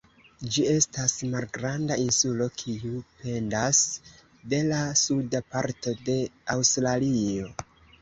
Ĝi estas malgranda insulo, kiu pendas de la suda parto de Aŭstralio.